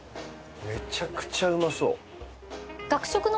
めちゃくちゃうまそう。